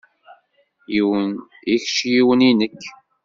Yiwen i kečč yiwen i nekk.